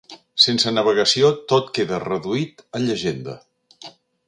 Sense navegació tot queda reduït a llegenda.